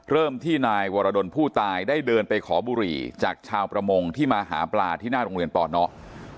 เริ่มที่นายวรดลผู้ตายได้เดินไปขอบุหรี่จากชาวประมงที่มาหาปลาที่หน้าโรงเรียนป่อเนาะ